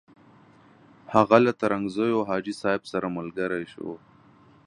هغه له ترنګزیو حاجي صاحب سره ملګری شو.